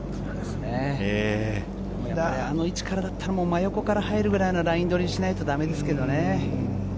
あの位置からだったら真横から入るくらいのライン取りしないとだめですけどね。